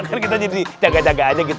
kan kita jadi jaga jaga aja gitu